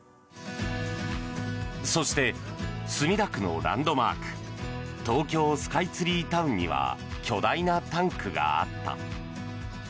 そして、墨田区のランドマーク東京スカイツリータウンには巨大なタンクがあった。